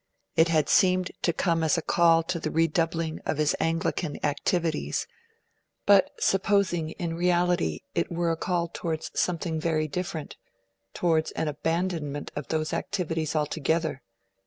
It had seemed to come as a call to the redoubling of his Anglican activities; but supposing, in reality, it were a call towards something very different towards an abandonment of those activities altogether?